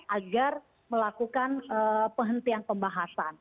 agar melakukan penghentian pembahasan